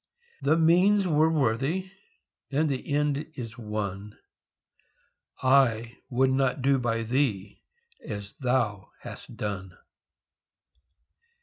The means were worthy, and the end is won I would not do by thee as thou hast done!